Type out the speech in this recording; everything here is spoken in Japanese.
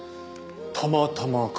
たまたまか。